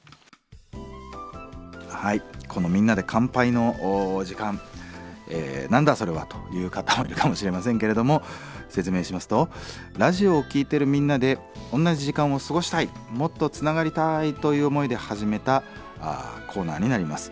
この「みんなで乾杯」の時間「何だそれは」という方もいるかもしれませんけれども説明しますとラジオを聴いてるみんなで同じ時間を過ごしたいもっとつながりたいという思いで始めたコーナーになります。